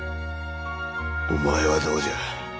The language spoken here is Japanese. お前はどうじゃ？